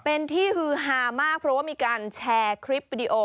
เป็นที่ฮือฮามากเพราะว่ามีการแชร์คลิปวิดีโอ